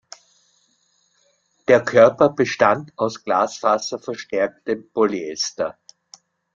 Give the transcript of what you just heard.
Der Körper bestand aus glasfaserverstärktem Polyester.